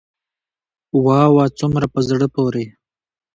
واه واه څومره په زړه پوري.